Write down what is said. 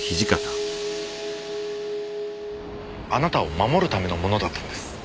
あなたを守るためのものだったんです。